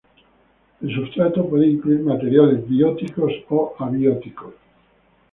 El sustrato puede incluir materiales bióticos o abióticos.